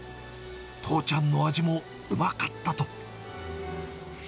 父ちゃんの味もうまかったと。